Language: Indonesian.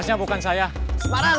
semarang semarang semarang